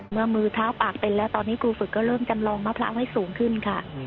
มือเท้าปากเป็นแล้วตอนนี้ครูฝึกก็เริ่มจำลองมะพร้าวให้สูงขึ้นค่ะ